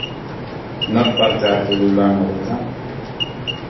Nork parte hartu du lan horretan?